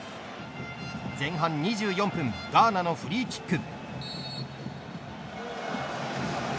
前半２４分ガーナのフリーキック。